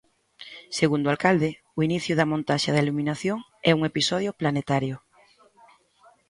Segundo o alcalde, o inicio da montaxe da iluminación é "un episodio planetario".